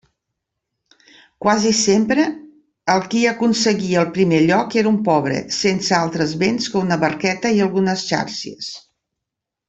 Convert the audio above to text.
Quasi sempre, el qui aconseguia el primer lloc era un pobre, sense altres béns que una barqueta i algunes xàrcies.